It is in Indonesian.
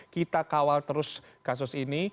kita kawal terus kasus ini